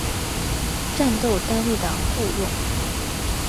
战斗单位的雇用。